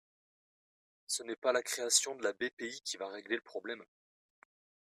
Ce n’est pas la création de la BPI qui va régler le problème.